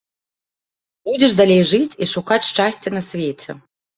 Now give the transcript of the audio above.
Будзеш далей жыць і шукаць шчасця на свеце.